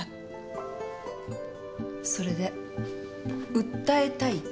それで訴えたいと？